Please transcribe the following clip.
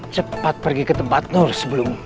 cepat pergi ke tempat nur sebelum